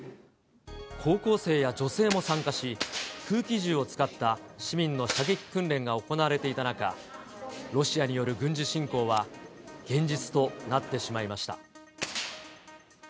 高校生や女性も参加し、空気銃を使った市民の射撃訓練が行われていた中、ロシアによる軍事侵攻は現実となってしまいました。